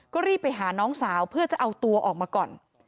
ก็รีบไปหาน้องสาวเพื่อจะเอาตัวออกมาก่อน